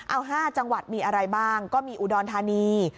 เอา๕จังหวัดมีอะไรบ้างก็มีอุดรธานี